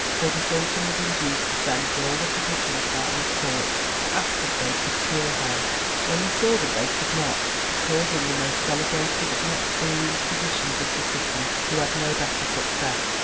So the sultan was induced to send for all the physicians about his court to ask if they could cure her. When he saw that they could not, he called in the most celebrated and experienced physicians of the city who had no better success.